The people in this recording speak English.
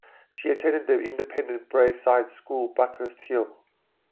She attended the independent Braeside School, Buckhurst Hill.